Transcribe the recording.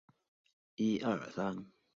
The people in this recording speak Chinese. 第二次只有两个国家。